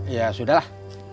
ya sudah lah